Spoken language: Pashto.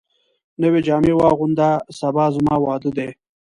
نوي جامي واغونده ، سبا زما واده دی